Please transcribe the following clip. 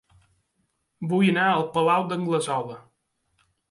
Vull anar a El Palau d'Anglesola